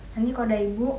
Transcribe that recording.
nanti kalau ada ibu